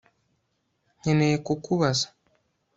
Nkeneye kukubaza